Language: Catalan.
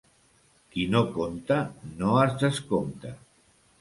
Qui no conta, no es descompta.